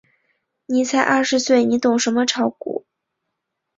你才十二岁，你懂什么炒股？